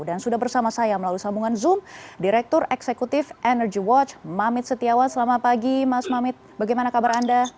sudah bersama saya melalui sambungan zoom direktur eksekutif energy watch mamit setiawan selamat pagi mas mamit bagaimana kabar anda